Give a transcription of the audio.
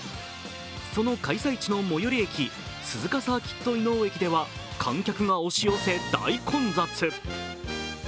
その開催地の最寄り駅鈴鹿サーキット稲生駅では観客が押し寄せ大混雑。